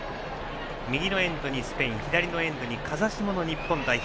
右のエンドにスペイン左のエンドに風下の日本代表